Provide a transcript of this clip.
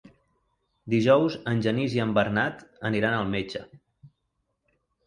Dijous en Genís i en Bernat aniran al metge.